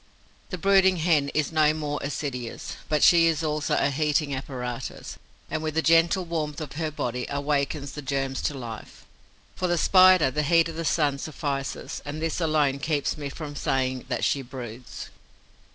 The brooding Hen is no more assiduous, but she is also a heating apparatus and, with the gentle warmth of her body, awakens the germs to life. For the Spider, the heat of the sun suffices; and this alone keeps me from saying that she 'broods.'